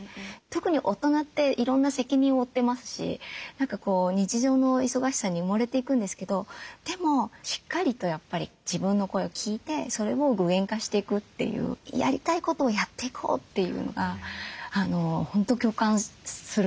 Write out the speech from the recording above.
特に大人っていろんな責任を負ってますし日常の忙しさに埋もれていくんですけどでもしっかりとやっぱり自分の声を聞いてそれを具現化していくっていうやりたいことをやっていこうっていうのが本当共感するなと思いました。